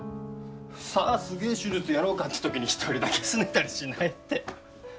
さあすげえ手術やろうかって時に一人だけ拗ねたりしないって。